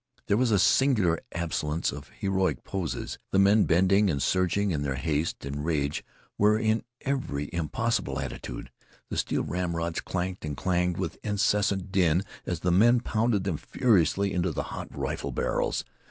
There was a singular absence of heroic poses. The men bending and surging in their haste and rage were in every impossible attitude. The steel ramrods clanked and clanged with incessant din as the men pounded them furiously into the hot rifle barrels.